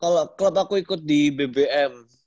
kalau klub aku ikut di bbm